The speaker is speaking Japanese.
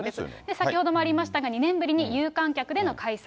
先ほどもありましたが、２年ぶりに有観客での開催。